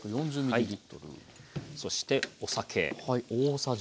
そしてお酒。